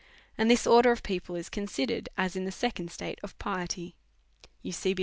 And this order of people is considered as in the second state of pie ty." — Emeh.